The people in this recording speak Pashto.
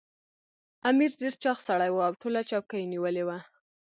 امیر ډېر چاغ سړی وو او ټوله چوکۍ یې نیولې وه.